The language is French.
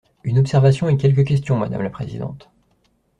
Une observation et quelques questions, madame la présidente.